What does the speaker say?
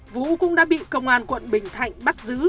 vũ cũng đã bị công an quận bình thạnh bắt giữ